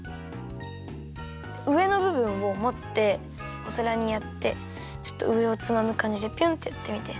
うえのぶぶんをもっておさらにやってちょっとうえをつまむかんじでピョンってやってみて。